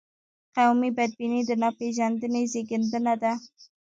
قومي بدبیني د ناپېژندنې زیږنده ده.